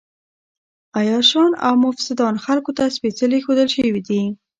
عياشان او مفسدان خلکو ته سپېڅلي ښودل شوي دي.